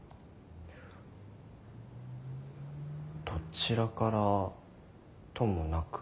どちらからともなく。